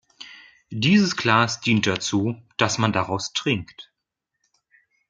Dieses Glas dient dazu, dass man daraus trinkt.